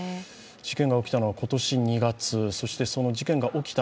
事件が起きたのは今年２月そして、その事件が起きた